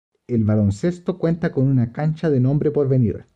El baloncesto cuenta con una cancha de nombre porvenir.